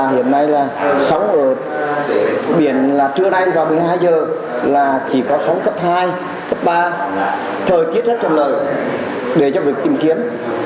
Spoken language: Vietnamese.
hiện nay là sóng ở biển là trưa nay vào một mươi hai h là chỉ có sóng cấp hai cấp ba thời tiết rất thuận lợi để cho việc tìm kiếm